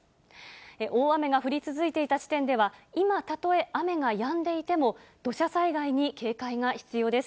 大雨が降り続いていた地点では、今たとえ雨がやんでいても、土砂災害に警戒が必要です。